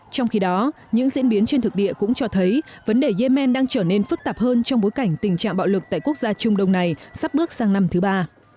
trong khi đó những diễn biến trên thực địa cũng cho thấy vấn đề yemen đang trở nên phức tạp hơn trong bối cảnh tình trạng bạo lực tại quốc gia trung đông này sắp bước sang năm thứ ba